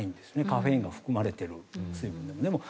カフェインが含まれている水分でも。